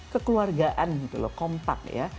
kekeluargaan gitu loh kompak ya